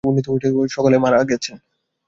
উনিতো সকালে মারা গেছেন।